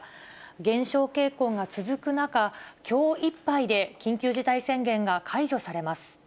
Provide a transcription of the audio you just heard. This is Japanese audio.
減少傾向が続く中、きょういっぱいで緊急事態宣言が解除されます。